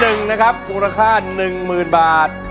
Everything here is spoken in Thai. เพลงที่๑นะครับมูลค่า๑หมื่นบาท